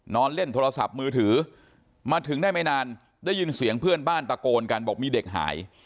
นอนเล่นโทรศัพท์มือถือมาถึงได้ไม่นานได้ยินเสียงเพื่อนบ้านตะโกนกันบอกมีเด็กหาย